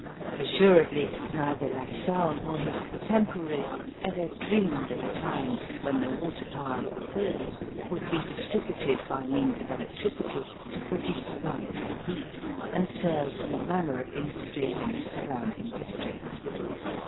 Assuredly, neither La Salle nor his contemporaries ever dreamed of a time when the water power of the Falls would be distributed by means of electricity to produce light or heat and serve all manner of industries in the surrounding district.